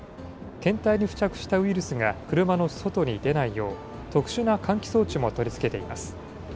検体に付着したウイルスが車の外に出ないよう、特殊な換気装置も取り付けています。